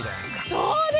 そうですね。